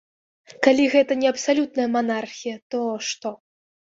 Калі гэта не абсалютная манархія, то што?